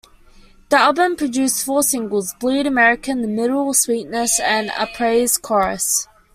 The album produced four singles: "Bleed American", "The Middle", "Sweetness", and "A Praise Chorus".